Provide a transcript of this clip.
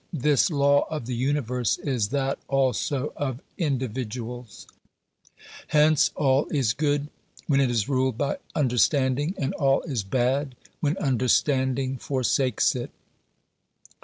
This law of the universe is that also of individuals. ••••*•• Hence all is good when it is ruled by understanding, and all is bad when understanding forsakes it.